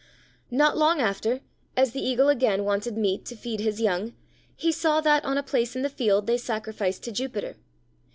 Not long after, as the Eagle again wanted meat to feed his young, he saw that on a place in the field they sacrificed to Jupiter.